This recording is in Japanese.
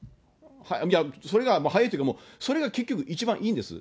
それが早いというか、それが結局、一番いいんです。